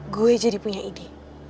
gue jadi punya ide